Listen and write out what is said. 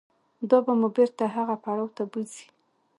دا به مو بېرته هغه پړاو ته بوځي.